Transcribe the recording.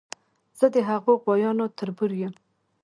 زه د هغو غوایانو تربور یم.